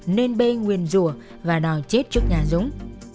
nên bê nguyền rủa và đòi chết trước nhà dũng